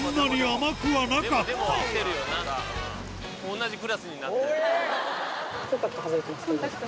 同じクラスになったよ。